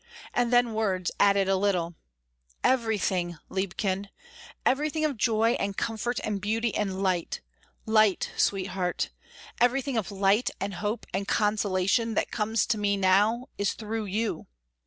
And then words added a little. "Everything, liebchen; everything of joy and comfort and beauty and light light, sweetheart everything of light and hope and consolation that comes to me now is through you.